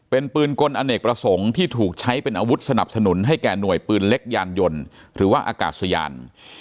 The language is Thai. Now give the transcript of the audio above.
เป็นปืนกลอเนกประสงค์ที่ถูกใช้เป็นอาวุธสนับสนุนให้แก่หน่วยปืนเล็กยานยนต์หรือว่าอากาศยาน